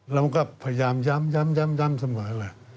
เราก็พยายามย้ำเสมอแหละ